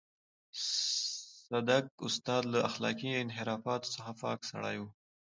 صدک استاد له اخلاقي انحرافاتو څخه پاک سړی و.